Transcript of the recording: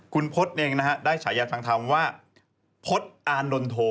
คุณพศเองนะฮะได้ฉายาทางธรรมว่าพฤษอานนทโท